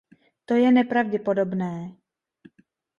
To je nepravděpodobné.